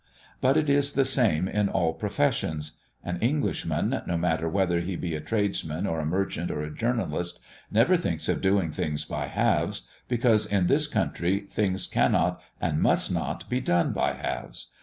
But it is the same in all professions! An Englishman, no matter whether he be a tradesman, or a merchant, or a journalist, never thinks of doing things by halves, because in this country things cannot and must not be done by halves.